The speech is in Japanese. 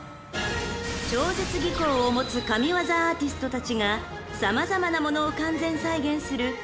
［超絶技巧を持つ神業アーティストたちが様々なものを完全再現する。